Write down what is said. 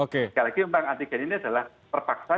sekali lagi tentang antigen ini adalah terpaksa